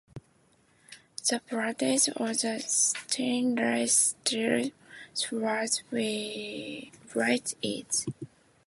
The blades of the stainless steel swords weigh each.